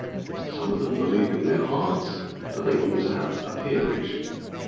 Some of them believe in their hearts That they ought to have a peerage.